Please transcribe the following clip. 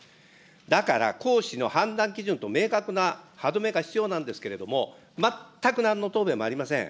だから、行使の判断基準と明確な歯止めが必要なんですけれども、全くなんの答弁もありません。